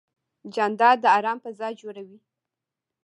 جانداد د ارام فضا جوړوي.